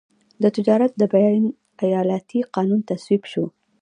د تجارت د بین الایالتي قانون تصویب شو.